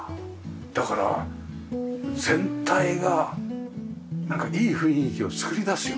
だから全体がいい雰囲気を作り出すよね。